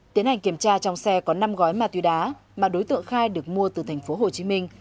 tiến hành kiểm tra trong xe có năm gói ma túy đá mà đối tượng khai được mua từ thành phố hồ chí minh